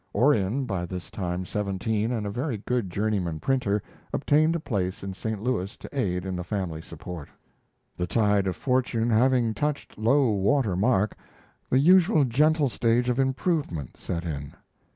Orion, by this time seventeen and a very good journeyman printer, obtained a place in St. Louis to aid in the family support. The tide of fortune having touched low water mark, the usual gentle stage of improvement set in.